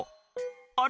あれ？